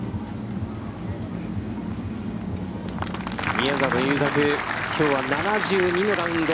宮里優作、きょうは７２のラウンド。